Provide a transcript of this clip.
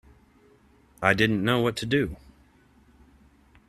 I didn't know what to do.